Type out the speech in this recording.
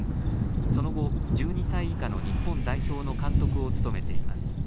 その後、１２歳以下の日本代表の監督を務めています。